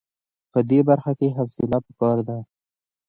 په دې برخه کې حوصله په کار ده.